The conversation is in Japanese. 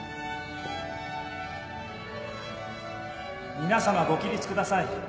皆さまご起立ください。